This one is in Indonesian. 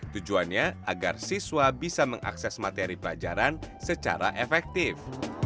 tujuannya agar siswa bisa mengakses materi pelajaran secara efektif